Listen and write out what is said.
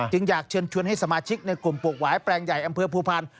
อยากเชิญชวนให้สมาชิกในกลุ่มปลูกหวายแปลงใหญ่อำเภอภูพันธ์